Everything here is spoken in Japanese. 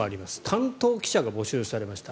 担当記者が募集されました。